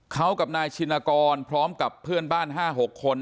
เขากับนายชินกรพร้อมกับเพื่อนบ้าน๕๖คน